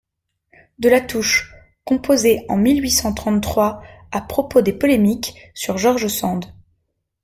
de Latouche, composé en mille huit cent trente-trois, à propos des polémiques sur George Sand.